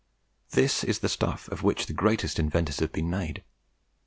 This is the stuff of which the greatest inventors have been made.